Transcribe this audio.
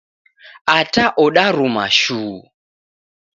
Ata odaruma shuu!